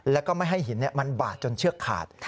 แล้วก็ไม่ให้หินมันบาดจนเชือกขาด